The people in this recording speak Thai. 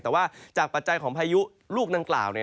แต่ว่าจากปัจจัยของพายุลูกดังกล่าว